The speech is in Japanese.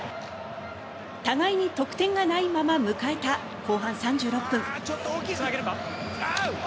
互いに得点がないまま迎えた後半３６分。